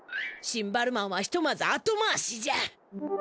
シンバルマンはひとまず後回しじゃ！